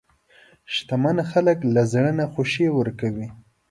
شتمن خلک له زړه نه خوښي ورکوي.